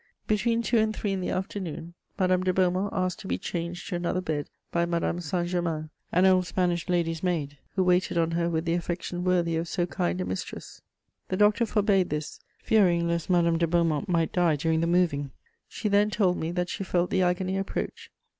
Between two and three in the afternoon, Madame de Beaumont asked to be changed to another bed by Madame Saint Germain, an old Spanish lady's maid, who waited on her with the affection worthy of so kind a mistress: the doctor forbade this, fearing lest Madame de Beaumont might die during the moving. She then told me that she felt the agony approach.